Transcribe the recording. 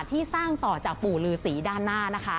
ที่สร้างต่อจากปู่ลือศรีด้านหน้านะคะ